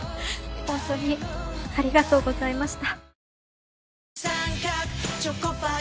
ほんとにありがとうございました。